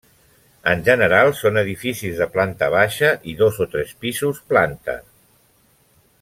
En general, són edificis de planta baixa i dos o tres pisos planta.